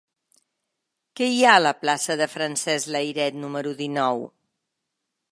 Què hi ha a la plaça de Francesc Layret número dinou?